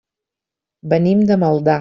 Venim de Maldà.